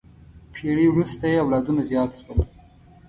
پېړۍ وروسته یې اولادونه زیات شول.